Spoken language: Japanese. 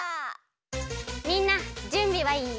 みんなじゅんびはいい？